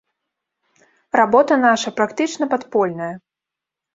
Работа наша практычна падпольная.